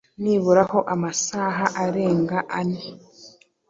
nibura ho amasaha arenga ane